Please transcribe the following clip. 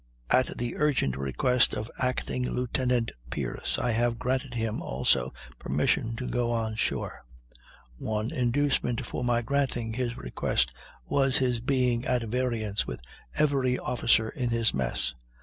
At the urgent request of Acting Lieutenant Pierce I have granted him, also, permission to go on shore; one inducement for my granting his request was his being at variance with every officer in his mess."